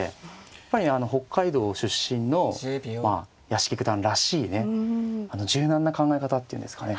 やっぱり北海道出身の屋敷九段らしいね柔軟な考え方っていうんですかね。